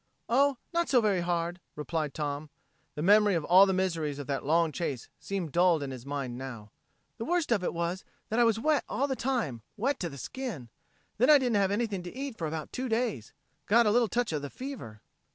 "Oh, not so very hard," replied Tom. The memory of all the miseries of that long chase seemed dulled in his mind now. "The worst of it was that I was wet all the time, wet to the skin. Then I didn't have anything to eat for about two days. Got a little touch of the fever."